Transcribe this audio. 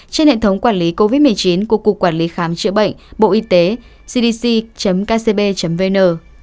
trên hệ thống quản lý covid một mươi chín của cục quản lý khám chữa bệnh bộ y tế cdc kcb vn